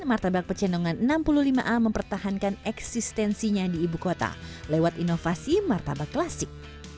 martabak pecenongan enam puluh lima a mempertahankan eksistensinya di ibu kota lewat inovasi martabak klasik